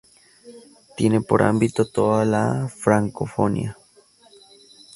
Tiene por ámbito toda la Francofonía.